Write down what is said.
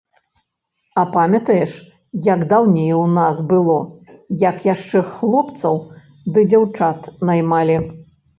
А памятаеш, як даўней у нас было, як яшчэ хлопцаў ды дзяўчат наймалi?